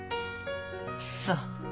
そう。